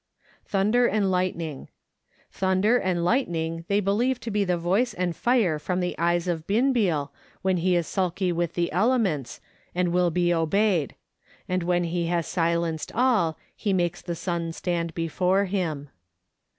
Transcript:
Thunder and Lightning. Thunder and lightning they believe to be the voice and fire from the eyes of Binbeal 1 when he is sulky with the elements, and will be obeyed ; and when he has silenced all, he makes the sun stand before him.